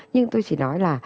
nhưng tôi chỉ nói là